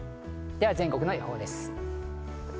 全国の予報です。